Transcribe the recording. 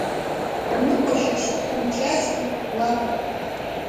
Уныҟәашьа шуқәымҿиазгьы, улафуеит.